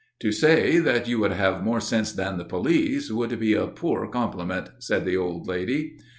"To say that you would have more sense than the police, would be a poor compliment," said the old lady.